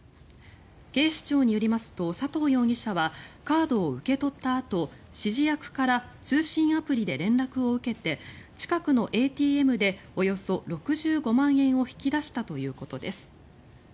警視庁によりますと佐藤容疑者はカードを受け取ったあと指示役から通信アプリで連絡を受けて近くのＡＴＭでおよそ６５万円を引き出したということです。